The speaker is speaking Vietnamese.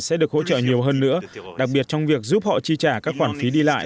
sẽ được hỗ trợ nhiều hơn nữa đặc biệt trong việc giúp họ chi trả các khoản phí đi lại